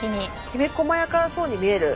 きめこまやかそうに見える。